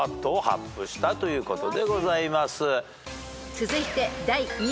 ［続いて第２問］